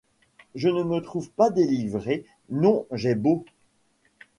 Je ne me trouve pas délivré. Non, j'ai-beau